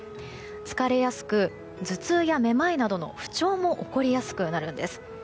疲れやすく、頭痛やめまいなどの不調も起こりやすくなるんです。